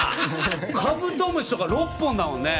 カブトムシとか６本だもんね。